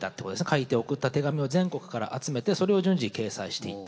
書いて送った手紙を全国から集めてそれを順次掲載していった。